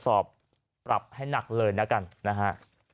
สอบปรับให้หนักเลยนะกันนะฮะ